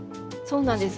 そうなんです。